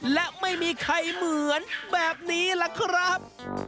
และไม่มีใครเหมือนแบบนี้ล่ะครับ